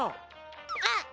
あっ！